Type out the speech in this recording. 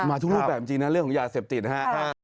มาทุกรูปแบบจริงนะเรื่องของยาเสพติดนะฮะ